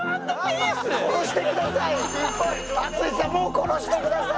殺してください！